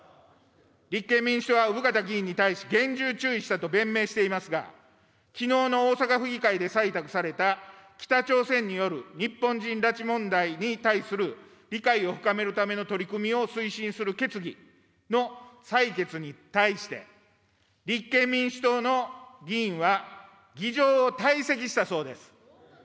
立憲民主党は生方議員に対し厳重注意したと弁明していますが、きのうの大阪府議会で採択された北朝鮮による日本人拉致問題に対する理解を深めるための取り組みを推進する決議の採決に対して、立憲民主党の議員は議場を退席したそうです。